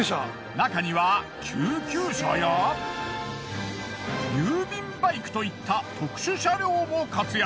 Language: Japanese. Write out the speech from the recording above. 中には救急車や郵便バイクといった特殊車両も活躍。